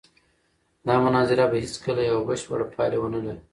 دا مناظره به هېڅکله یوه بشپړه پایله ونه لري.